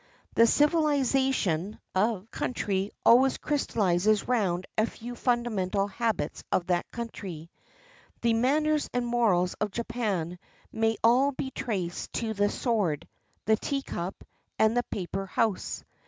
The civiUzation of a country always crystallizes round a few fundamental habits of that country. The manners and morals of Japan may all be traced to the sword, the tea cup, and the paper house.